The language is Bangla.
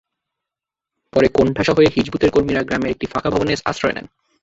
পরে কোণঠাসা হয়ে হিজবুতের কর্মীরা গ্রামের একটি ফাঁকা ভবনে আশ্রয় নেন।